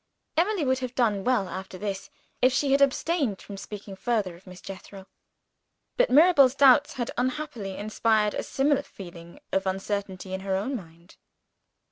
Emily would have done well, after this, if she had abstained from speaking further of Miss Jethro. But Mirabel's doubts had, unhappily, inspired a similar feeling of uncertainty in her own mind.